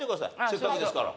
せっかくですから。